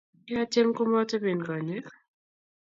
kiatiem komo topen konyek.